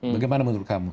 bagaimana menurut kamu